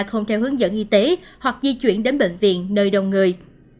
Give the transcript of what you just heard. không theo hướng dẫn y tế hoặc di chuyển đến bệnh viện nơi đông người